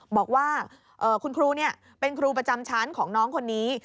บอกว่าคุณครูเป็นครูประจำชั้นของน้องคนนี้